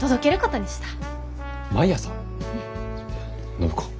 暢子